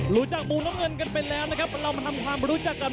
รู้จักมุมน้ำเงินกันไปแล้วนะครับเรามาทำความรู้จักกัน